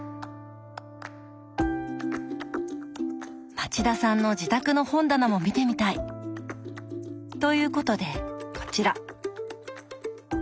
町田さんの自宅の本棚も見てみたい！ということでこちら！